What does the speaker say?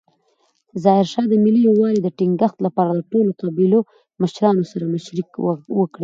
ظاهرشاه د ملي یووالي د ټینګښت لپاره د ټولو قبیلو مشرانو سره مشورې وکړې.